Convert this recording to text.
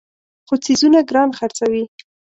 خو څیزونه ګران خرڅوي.